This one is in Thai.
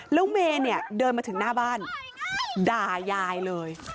แล้วเมย์เนี่ยเดินมาถึงหน้าบ้านด่ายายเลย